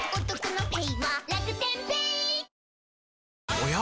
おや？